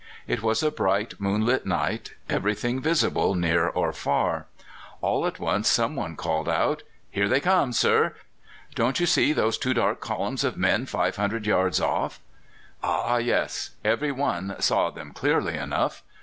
It was a bright moonlight night; everything visible near or far. All at once some one called out: "Here they come, sir! Don't you see those two dark columns of men 500 yards off?" Ah! yes. Every one saw them clearly enough.